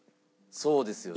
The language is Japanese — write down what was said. そうですよね。